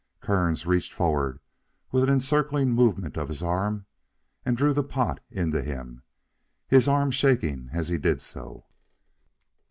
Kearns reached forward with an encircling movement of his arm and drew the pot in to him, his arm shaking as he did so.